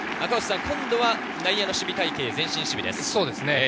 今度は内野の守備隊形、前進守備です。